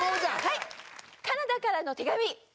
はい「カナダからの手紙」